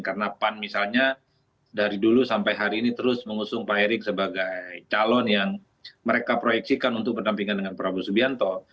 karena pan misalnya dari dulu sampai hari ini terus mengusung pak erick sebagai calon yang mereka proyeksikan untuk bertampingan dengan prabowo subianto